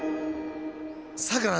さくら